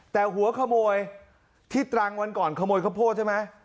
แต่หัวขโมยที่ตรังวันก่อนขโมยข้าวโพดใช่ไหม